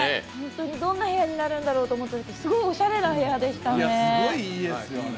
どんな部屋になるんだろうってすごくおしゃれな部屋でしたね。